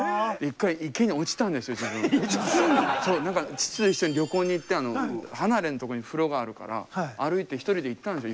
父と一緒に旅行に行って離れの所に風呂があるから歩いて一人で行ったんですよ